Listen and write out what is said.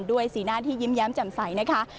ด้วยสีหน้าที่ยิ้มแย้มจำใสนะคะ